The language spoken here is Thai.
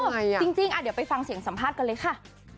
จริงเดี๋ยวไปฟังเสียงสัมภาษณ์กันเลยค่ะ